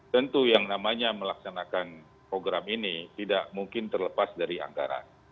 tentu yang namanya melaksanakan program ini tidak mungkin terlepas dari anggaran